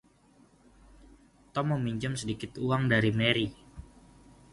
Tom meminjam sedikit uang dari Mary.